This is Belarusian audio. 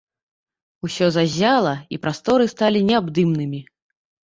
Усё заззяла, і прасторы сталі неабдымнымі.